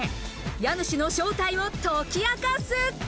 家主の正体を解き明かす。